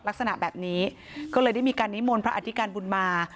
ลักษณะแบบนี้ก็เลยได้มีการนิมนต์พระอธิการบุญมา